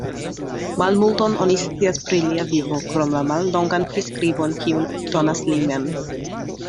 Malmulton oni scias pri lia vivo krom la mallongan priskribon kiun donas li mem.